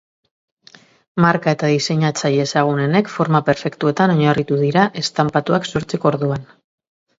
Marka eta diseinatzaile ezagunenek forma perfektuetan oinarritu dira estanpatuak sortzeko orduan.